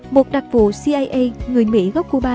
một đặc vụ cia người mỹ gốc cuba